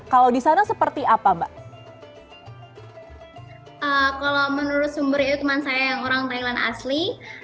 kalau menurut sumber itu teman saya yang orang thailand asli